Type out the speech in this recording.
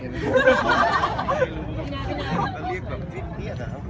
แม่กับผู้วิทยาลัย